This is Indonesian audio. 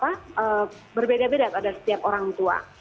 karena berbeda beda pada setiap orang tua